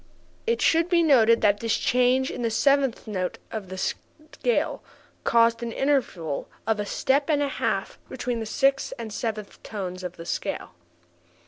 It should be noted that this change in the seventh tone of the scale caused an interval of a step and a half between the sixth and seventh tones of the scale.